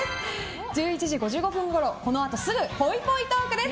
１１時５５分ごろ、このあとすぐぽいぽいトークです。